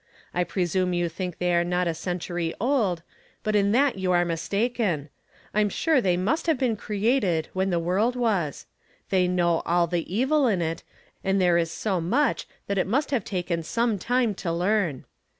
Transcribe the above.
I presume you think they are not a cen tury old ; but in that you are mistaken ; I'm sure they must have been created when the world was ; they know all the evil in it, and there is so much that it must have taken some time to learn.